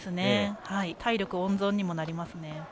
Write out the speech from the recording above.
体力温存にもなります。